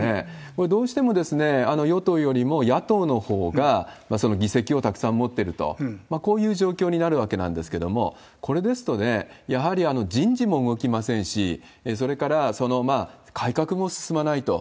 これ、どうしても与党よりも野党のほうが議席をたくさん持ってると、こういう状況になるわけなんですけれども、これですと、やはり人事も動きませんし、それから改革も進まないと。